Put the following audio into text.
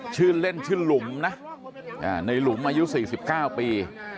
ชื่อเล่นชื่อหลุมนะในหลุมอายุ๔๙ปี